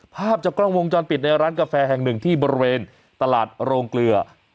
ภาพจากกล้องวงจรปิดในร้านกาแฟแห่งหนึ่งที่บริเวณตลาดโรงเกลือ